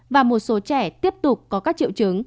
và một số trẻ tiếp tục có các triệu chứng